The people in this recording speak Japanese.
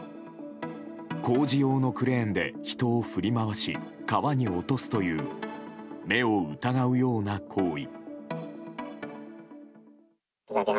工事用のクレーンで人を振り回し川に落とすという目を疑うような行為。